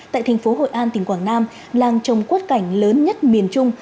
tại thành phố hội an tỉnh quảng nam làng trồng quất cảnh lớn nhất miền trung